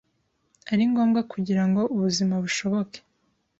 ari ngombwa kugira ngo ubuzima bushoboke